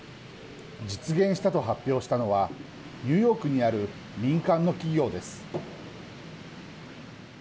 実現したと発表したのはニューヨークにある民間の企業です。